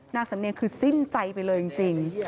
นางสำเนียงคือสิ้นใจไปเลยจริง